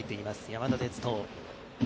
山田哲人。